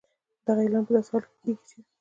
دغه اعلان په داسې حال کې کېږي چې